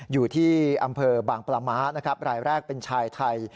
อยู่ที่อำเภอบางปลาม้านะครับรายแรกเป็นชายไทย